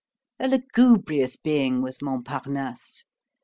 A lugubrious being was Montparnasse.